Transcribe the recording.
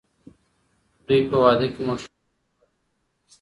دوی په واده کي موټرسايکل ورکړي